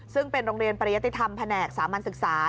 ซึ่งเป็นโรงเรียนปริยติธรรมแผนกสามัญศึกษา